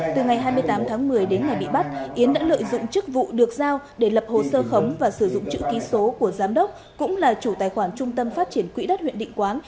từ ngày hai mươi tám tháng một mươi đến ngày bị bắt yến đã lợi dụng chức vụ được giao để lập hồ sơ khống và sử dụng chữ ký số của giám đốc cũng là chủ tài khoản trung tâm phát triển quỹ đất huyện định quán